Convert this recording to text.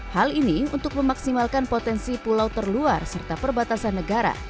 hal ini untuk memaksimalkan potensi pulau terluar serta perbatasan negara